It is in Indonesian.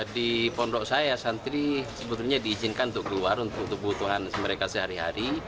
di pondok saya santri sebetulnya diizinkan untuk keluar untuk kebutuhan mereka sehari hari